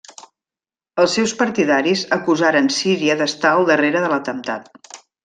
Els seus partidaris acusaren Síria d'estar al darrere de l'atemptat.